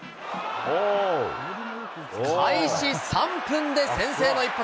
開始３分で先制の一発。